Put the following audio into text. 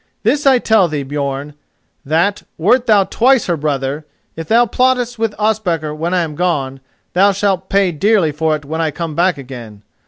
This I tell thee, Björn, that, wert thou twice her brother, if thou plottest with Ospakar when I am gone, thou shalt pay dearly for it when I come back again.